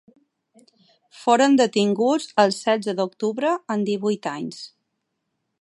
Foren detinguts el setze d’octubre, amb divuit anys.